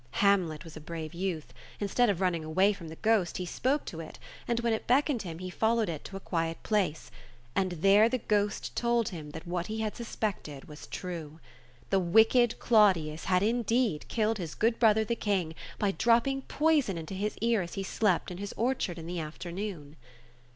Hamlet was a brave youth. Instead of running away from the ghost he spoke to it — and when it beckoned him he followed it to a quiet place, and there the ghost told him that what he had suspected was true. The wicked Claudius had indeed killed his good brother the King, by dropping poison into his ear as he slept in his orchard in the after noon.